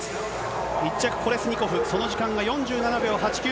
１着、コレスニコフ、その時間が４７秒８９。